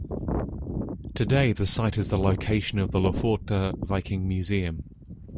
Today the site is the location of the Lofotr Viking Museum.